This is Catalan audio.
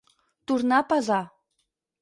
Tornar a pesar.